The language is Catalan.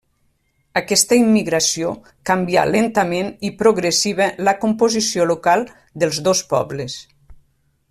Aquesta immigració canvià lentament i progressiva la composició local dels dos pobles.